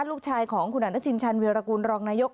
ลูกชายของคุณอนุทินชาญวิรากูลรองนายก